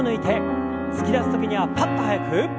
突き出す時にはパッと早く。